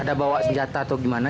ada bawa senjata atau gimana